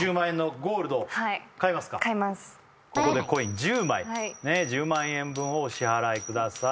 ここでコイン１０枚１０万円分をお支払いください